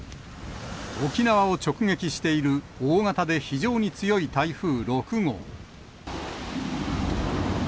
沖縄を直撃している大型で非常に強い台風６号。